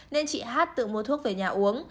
nên chị hát tự mua thuốc về nhà uống